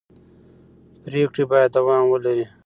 پرېکړې باید دوام ولري